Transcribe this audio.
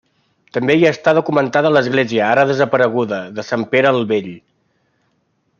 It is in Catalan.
També hi està documentada l'església, ara desapareguda, de Sant Pere el Vell.